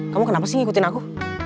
kamu kenapa sih ngikutin aku